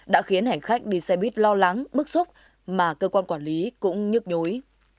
đã khiến hành khách đi xe buýt lo lắng bức xúc mà cơ quan quản lý cũng nhức nhối